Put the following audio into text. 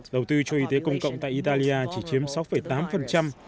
đầu tư cho y tế công cộng tại italia chỉ chiếm sáu tám